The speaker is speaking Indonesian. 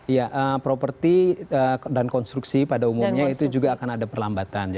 ya properti dan konstruksi pada umumnya itu juga akan ada perlambatan